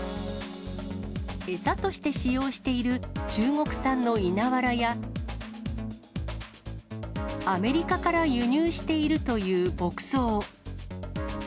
餌として使用している中国産の稲わらや、アメリカから輸入しているという牧草。